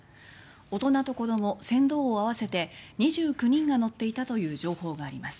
大人と子ども、船頭を合わせて２９人が乗っていたという情報があります。